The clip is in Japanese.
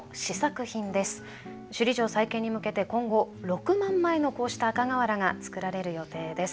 首里城再建に向けて今後６万枚のこうした赤瓦が作られる予定です。